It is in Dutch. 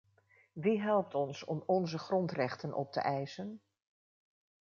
Wie helpt ons om onze grondrechten op te eisen?